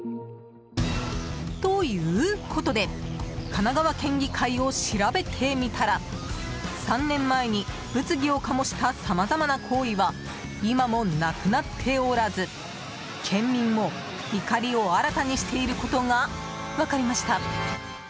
ということで神奈川県議会を調べてみたら３年前に物議を醸したさまざまな行為は今もなくなっておらず、県民も、怒りを新たにしていることが分かりました。